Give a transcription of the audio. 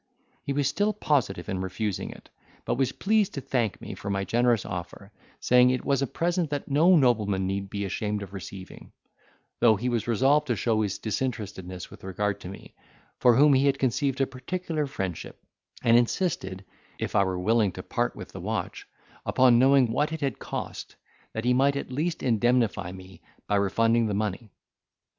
He was still positive in refusing it; but was pleased to thank me for my generous offer, saying, it was a present that no nobleman need be ashamed of receiving: though he was resolved to show his disinterestedness with regard to me, for whom he had conceived a particular friendship; and insisted (if I were willing to part with the watch) upon knowing what it had cost, that he might at least indemnify me, by refunding the money.